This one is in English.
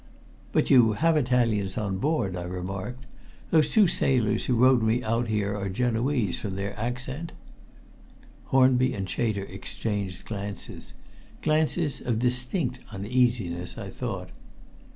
"But you have Italians on board?" I remarked. "The two sailors who rowed me out are Genoese, from their accent." Hornby and Chater exchanged glances glances of distinct uneasiness, I thought.